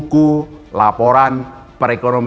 tentang jauh lebih ekonomi